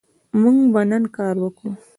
موږ به نن کار وکړو